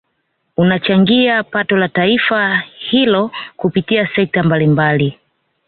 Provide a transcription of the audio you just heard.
Unachangia pato la taifa hilo kupitia sekta mbalimbali